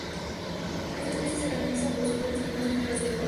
Esta especie se caracteriza por su tronco espinoso y sus flores de colores.